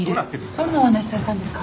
どんなお話されたんですか？